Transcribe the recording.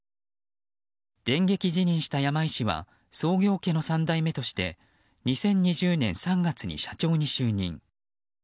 電撃辞任した山井氏は創業家の３代目として２０２０年３月に社長に就任。